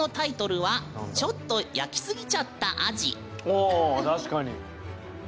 お確かに。